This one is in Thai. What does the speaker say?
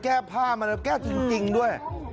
แก้ผ้ามาแล้วแก้จริงด้วย